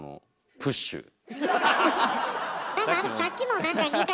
プッシュ系。